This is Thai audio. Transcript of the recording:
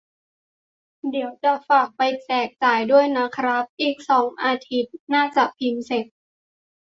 เดี๋ยวจะฝากไปแจกจ่ายด้วยนะครับ : อีกสองอาทิตย์น่าจะพิมพ์เสร็จ